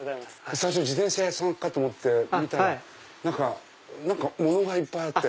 最初自転車屋さんかと思って見たら物がいっぱいあって。